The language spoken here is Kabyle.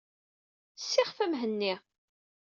Sixef a Mhenni.